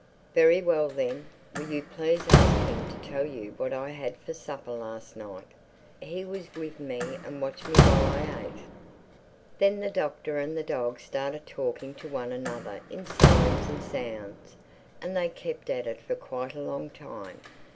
"Very well then, will you please ask him to tell you what I had for supper last night? He was with me and watched me while I ate." Then the Doctor and the dog started talking to one another in signs and sounds; and they kept at it for quite a long time.